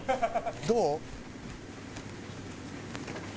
どう？